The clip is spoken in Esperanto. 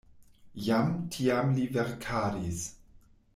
Jam tiam li verkadis.